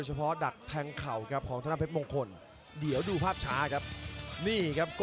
จังหวาดึงซ้ายตายังดีอยู่ครับเพชรมงคล